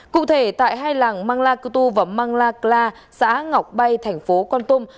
cụ thể tại hai làng mangla kutu và mangla kla xã ngọc bay thành phố con tum